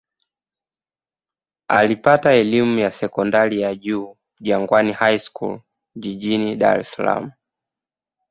Alipata elimu ya sekondari ya juu Jangwani High School jijini Dar es Salaam.